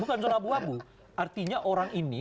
bukan soal abu abu artinya orang ini